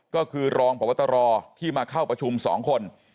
ก็คือรองพบตรที่มาเข้าประชุม๒คน